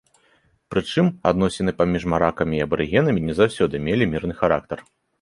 Прычым, адносіны паміж маракамі і абарыгенамі не заўсёды мелі мірны характар.